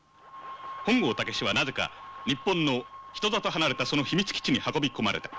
本郷猛はなぜか日本の人里離れたその秘密基地に運び込まれた。